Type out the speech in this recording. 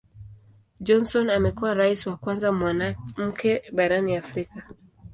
Johnson amekuwa Rais wa kwanza mwanamke barani Afrika.